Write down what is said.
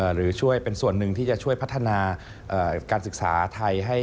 หรือช่วยเป็นส่วนหนึ่งที่จะช่วยพัฒนาการศึกษาไทย